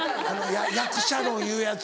役者論いうやつ。